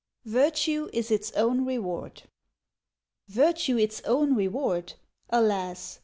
"Virtue is Its Own Reward" Virtue its own reward? Alas!